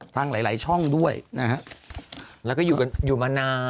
หลายช่องด้วยนะฮะแล้วก็อยู่กันอยู่มานาน